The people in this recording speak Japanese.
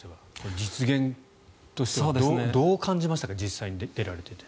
実現としては、どう感じましたか実際に出られて。